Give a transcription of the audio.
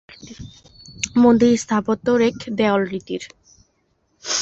মন্দির স্থাপত্য রেখ-দেউলরীতির।